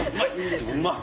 うまい！